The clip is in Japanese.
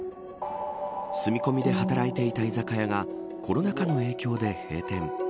住み込みで働いていた居酒屋がコロナ禍の影響で閉店。